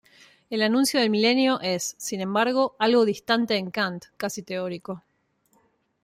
El anuncio del milenio es, sin embargo, algo distante en Kant, casi teórico.